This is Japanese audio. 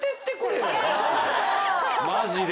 マジで。